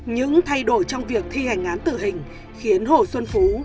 những thay đổi trong việc thi hành án tử hình khiến hồ xuân phú